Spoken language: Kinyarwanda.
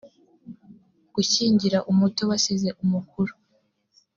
gushyingira umuto basize umukuru